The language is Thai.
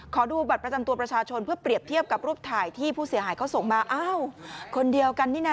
ขอดูบัตรประจำตัวประชาชนเพื่อเปรียบเทียบกับรูปถ่ายที่ผู้เสียหายเขาส่งมาอ้าวคนเดียวกันนี่นะ